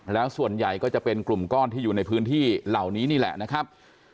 แล้วส่วนใหญ่ก็จะเป็นกลุ่มก้อนที่อยู่ในพื้นที่เหล่านี้นี่แหละนะครับ